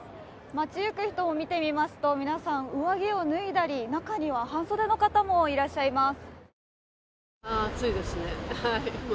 街行く人を見てみますと皆さん上着を脱いだり、中には半袖の方もいらっしゃいます。